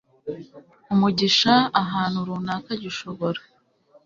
umugisha ahantu runaka gishobora